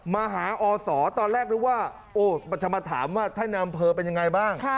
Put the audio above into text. มาหาอศตอนแรกนึกว่าจะมาถามว่าท่านในอำเภอเป็นยังไงบ้าง